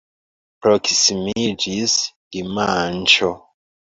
Proksimiĝis dimanĉo.